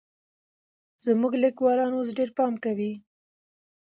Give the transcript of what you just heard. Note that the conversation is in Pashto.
زموږ ليکوالان اوس ډېر پام کوي.